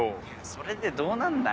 それでどうなるんだよ。